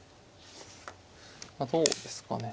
どうですかね。